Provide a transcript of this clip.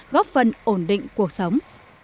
để phân ổn định cuộc sống